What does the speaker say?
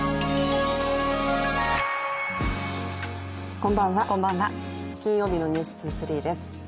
こんばんは、金曜日の「ｎｅｗｓ２３」です。